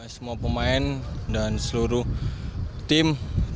semua pemain dan seluruh tim